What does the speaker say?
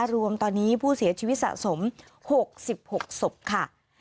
รวมตอนนี้ผู้เสียชีวิตสะสม๖๖ศพค่ะ